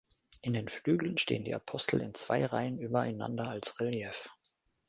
In den Flügeln stehen die Apostel in zwei Reihen übereinander als Relief.